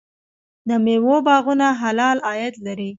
د میوو باغونه حلال عاید لري.